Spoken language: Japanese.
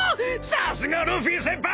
さすがルフィ先輩！］